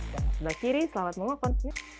dan sebelah kiri selamat mengokon